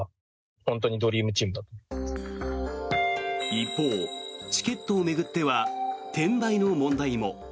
一方、チケットを巡っては転売の問題も。